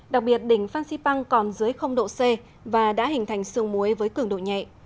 đặc biệt đỉnh phan xipang còn dưới độ c và đã hình thành sương muối với cường độ nhẹ